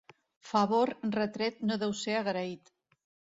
Favor retret no deu ser agraït.